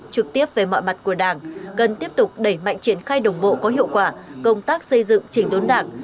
trực tiếp về mọi mặt của đảng cần tiếp tục đẩy mạnh triển khai đồng bộ có hiệu quả công tác xây dựng chỉnh đốn đảng